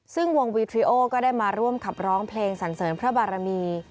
ซึ่งวงวีทริโอก็ได้มาร่วมขับร้องเพลงสันเสริญพระบารมี